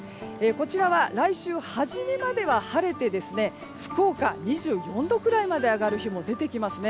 こちらは来週初めまでは晴れて福岡、２４度くらいまで上がる日も出てきますね。